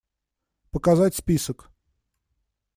Показать список.